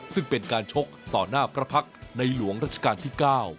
ซึ่งเป็นการชกต่อหน้าพระพักษ์ในหลวงรัชกาลที่๙